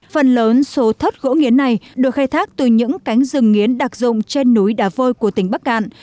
phần lớn số thất gỗ nghiến này được khai thác từ những cánh rừng nghiến đặc dụng trên núi đá vôi của tỉnh bắc cạn